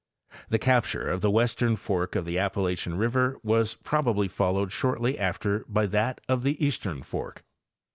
The capture of the western fork of the Appalachian river was probably followed shortly after by that of the eastern fork.